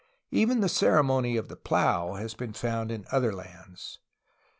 Even the ceremony of the plough has been found in other lands.